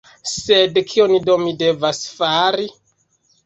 Sed kion do mi devas fari?